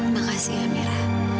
makasih ya amira